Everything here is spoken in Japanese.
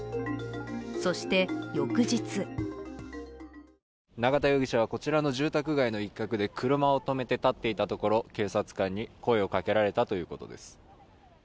そして翌日永田容疑者はこちらの住宅街の一角で車を止めて立っていたところ、警察官に声をかけられたということです。